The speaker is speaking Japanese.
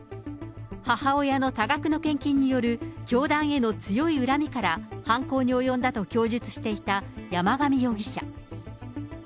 母親の多額の献金による教団への強い恨みから、犯行に及んだと供述していた山上容疑者。